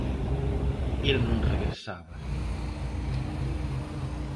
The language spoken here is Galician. El non regresaba.